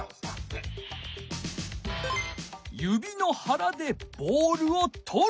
指のはらでボールをとる。